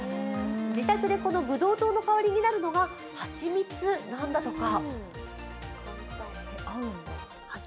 自宅でこのブドウ糖の代わりになるのが蜂蜜なんだとか。